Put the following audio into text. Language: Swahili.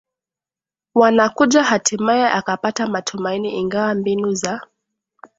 wanakuja Hatimaye akapata matumaini Ingawa mbinu za